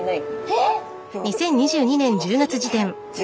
えっ！